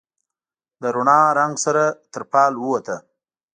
د رڼا، رنګ سره تر فال ووته